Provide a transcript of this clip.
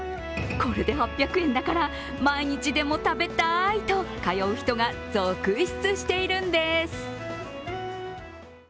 これで８００円だから毎日でも食べたいと通う人が続出しているんです。